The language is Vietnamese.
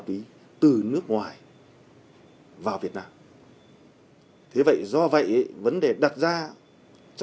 lấy bao nhiêu cũng có